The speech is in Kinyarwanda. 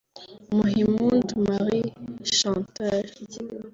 Muhimpundu Marie Chantal